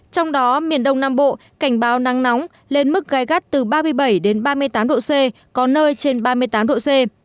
trong đó miền đông nam bộ cảnh báo nắng nóng lên mức gai gắt từ ba mươi bảy đến ba mươi tám độ c có nơi trên ba mươi tám độ c